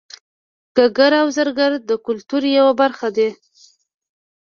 ګګر او زرګر د کولتور یوه برخه دي